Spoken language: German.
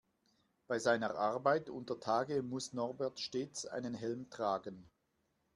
Bei seiner Arbeit untertage muss Norbert stets einen Helm tragen.